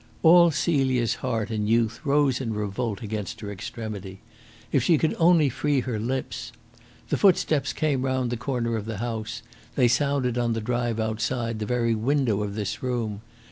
All Celia's heart and youth rose in revolt against her extremity. If she could only free her lips! The footsteps came round the corner of the house, they sounded on the drive outside the very window of this room.